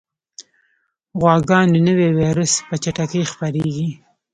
غواګانو نوی ویروس په چټکۍ خپرېږي.